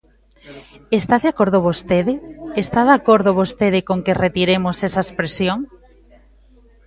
¿Está de acordo vostede?, ¿está de acordo vostede con que retiremos esa expresión?